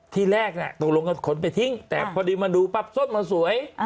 ที่แรกตกลงก็ขนไปทิ้งแต่พอดีมาดูปั๊บส้นมันสวย